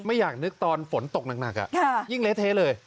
อยากนึกตอนฝนตกหนักยิ่งเละเทะเลย